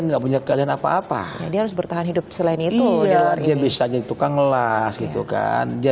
enggak punya kalian apa apa dia harus bertahan hidup selain itu dia bisa jadi tukang las gitu kan dia